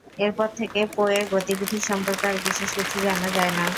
এরপর থেকে পো-এর গতিবিধি সম্পর্কে আর বিশেষ কিছু জানা যায় না।